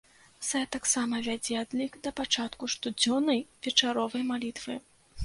Сайт таксама вядзе адлік да пачатку штодзённай вечаровай малітвы.